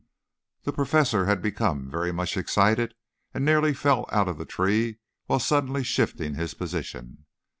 The Professor had become very much excited, and nearly fell out of the tree while suddenly shifting his position.